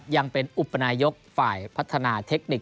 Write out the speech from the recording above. ยังเป็นอุปนายกฝ่ายพัฒนาเทคนิค